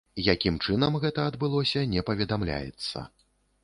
Якім чынам гэта адбылося, не паведамляецца.